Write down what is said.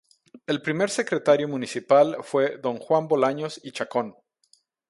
El primer Secretario Municipal fue don Juan Bolaños y Chacón.